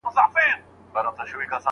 سرلوړي د هغو خلکو نصیب ده چي جنګېدی.